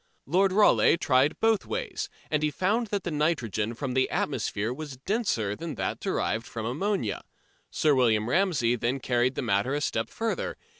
Lord Rayleigh tried both ways, and he found that the nitrogen from the atmosphere was denser than that derived from ammonia. Sir William Ramsey then carried the matter a step further.